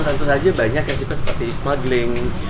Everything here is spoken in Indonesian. tentu saja banyak risiko seperti smuggling